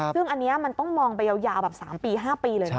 ซึ่งอันนี้มันต้องมองไปยาวแบบ๓ปี๕ปีเลยนะ